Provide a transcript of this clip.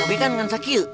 mami kan dengan sakil